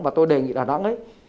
và tôi đề nghị đà nẵng